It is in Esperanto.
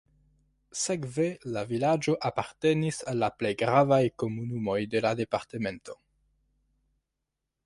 Sekve la vilaĝo apartenis al la plej gravaj komunumoj de la departemento.